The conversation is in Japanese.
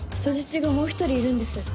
人質がもう１人いるんです